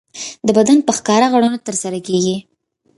د بدن په ښکاره غړو نه ترسره کېږي.